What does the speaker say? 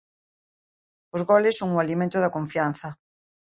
Os goles son o alimento da confianza.